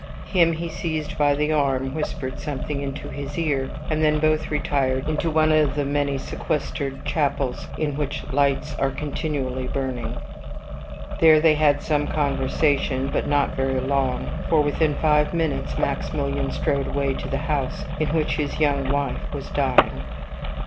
Him he seized by the arm, whispered something into his ear, and then both retired into one of the many sequestered chapels in which lights are continually burning. There they had some conversation, but not very long, for within five minutes Maximilian strode away to the house in which his young wife was dying.